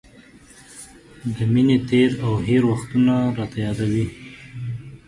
د مینې تېر او هېر وختونه راته را یادوي.